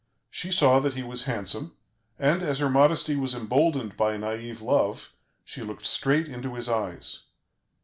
She saw that he was handsome; and, as her modesty was emboldened by naïve love, she looked straight into his eyes.